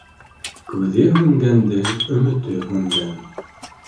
Күҙе һүнгәндең өмөтө һүнгән.